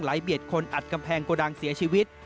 เบียดคนอัดกำแพงโกดังเสียชีวิต